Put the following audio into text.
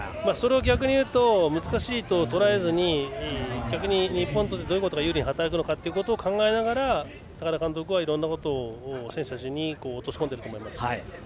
逆に言うと難しいととらえずに逆に日本としてどういうことが有利に働くのかということを考えながら高田監督はいろんなことを選手たちに落とし込んでいると思います。